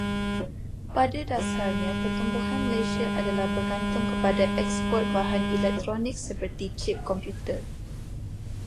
Pada dasarnya, pertumbuhan Malaysia adalah bergantung kepada eksport bahan elektronik seperti cip komputer.